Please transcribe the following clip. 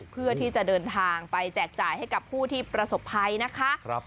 เพื่อที่จะเดินทางไปแจกจ่ายให้กับผู้ที่ประสบภัยนะคะ